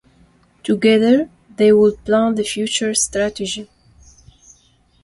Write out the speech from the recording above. Together they would plan the future strategy.